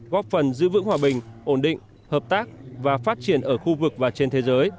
góp phần giữ vững hòa bình ổn định hợp tác và phát triển ở khu vực và trên thế giới